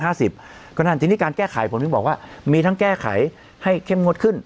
ก็นั่นทีนี้การแก้ไขผมถึงบอกว่ามีทั้งแก้ไขให้เข้มงวดขึ้น